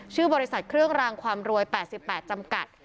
ชื่อบริษัทเครื่องรางความรวย๘๘จำกัด